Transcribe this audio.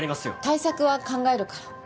対策は考えるから。